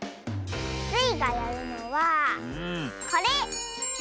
スイがやるのはこれ！